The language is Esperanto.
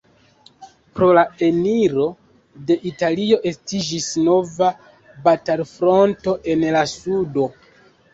Pro la eniro de Italio estiĝis nova batalfronto en la sudo.